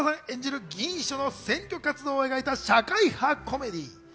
演じる議員秘書の選挙活動を描いた社会派コメディー。